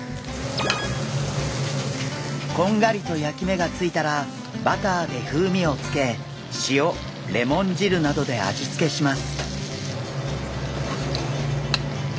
こんがりと焼き目が付いたらバターで風味を付け塩レモン汁などで味付けします。